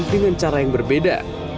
dengan cara yang berbeda